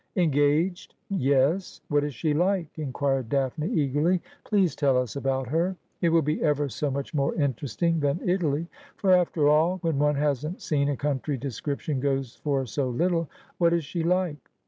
' Engaged ?' 'Yes.' ' What is she like ?' inquired Daphne eagerly. ' Please tell us about her. It will be ever so much more interesting than Italy ; for, after all, when one hasn't seen a country description goes for so little. Wha,t is she like